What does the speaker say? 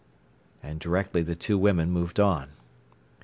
And directly the two women moved on.